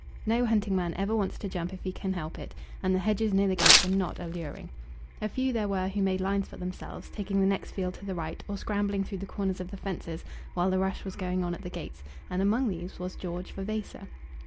No hunting man ever wants to jump if he can help it, and the hedges near the gate were not alluring. A few there were who made lines for themselves, taking the next field to the right, or scrambling through the corners of the fences while the rush was going on at the gates; and among these was George Vavasor.